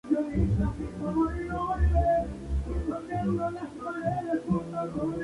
En el Skate America ganó los dos segmentos y consiguió la medalla de oro.